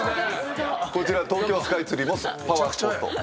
こちら東京スカイツリーもパワースポット。